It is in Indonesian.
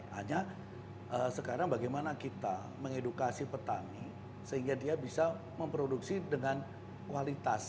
hanya sekarang bagaimana kita mengedukasi petani sehingga dia bisa memproduksi dengan kualitas